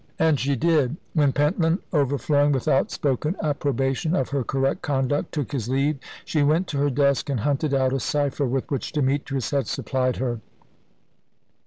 And she did. When Pentland, overflowing with outspoken approbation of her correct conduct, took his leave, she went to her desk and hunted out a cypher with which Demetrius had supplied her.